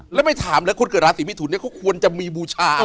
แล้วไม่ถามเลยคนเกิดราศีมิถุนเนี่ยเขาควรจะมีบูชาอะไร